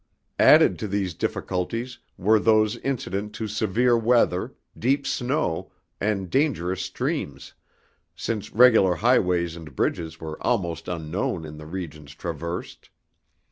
Added to these difficulties were those incident to severe weather, deep snow, and dangerous streams, since regular highways and bridges were almost unknown in the regions traversed.